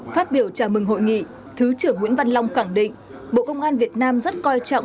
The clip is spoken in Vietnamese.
phát biểu chào mừng hội nghị thứ trưởng nguyễn văn long khẳng định bộ công an việt nam rất coi trọng